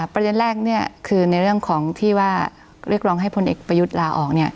ประเด็นแรกคือในเรื่องของที่ว่าเรียกร้องให้พลเอกประยุทธ์ลาออก